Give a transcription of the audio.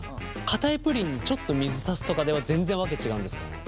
かたいプリンにちょっと水足すとかでは全然訳違うんですか？